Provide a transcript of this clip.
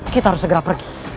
kita harus segera pergi